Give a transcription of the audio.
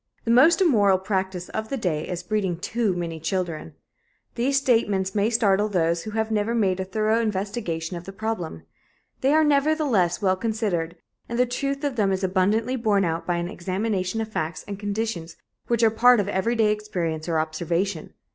The most immoral practice of the day is breeding too many children. These statements may startle those who have never made a thorough investigation of the problem. They are, nevertheless, well considered, and the truth of them is abundantly borne out by an examination of facts and conditions which are part of everyday experience or observation.